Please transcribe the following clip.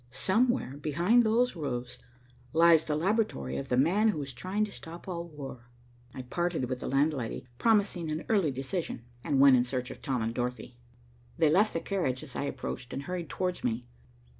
Somewhere, behind those roofs, lies the laboratory of the man who is trying to stop all war." I parted with the landlady, promising an early decision, and went in search of Tom and Dorothy. They left the carriage as I approached and hurried towards me.